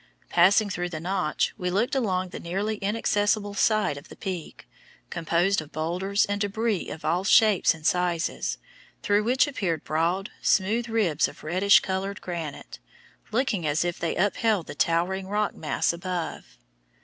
Passing through the "Notch," we looked along the nearly inaccessible side of the Peak, composed of boulders and debris of all shapes and sizes, through which appeared broad, smooth ribs of reddish colored granite, looking as if they upheld the towering rock mass above.